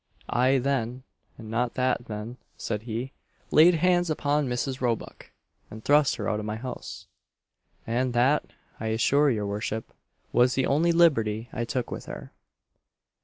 "I then, and not till then," said he, "laid hands upon Mrs. Roebuck, and thrust her out of my house and that, I assure your worship, was the only liberty I took with her."